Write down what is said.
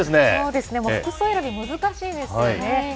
そうですね、もう服装選び、難しいですよね。